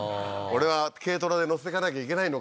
俺は軽トラで乗せていかなきゃいけないのかい？